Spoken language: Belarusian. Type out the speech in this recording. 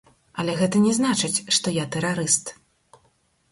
Але гэта не значыць, што я тэрарыст.